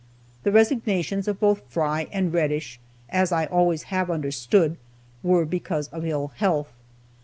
The resignations of both Fry and Reddish, as I always have understood, were because of ill health.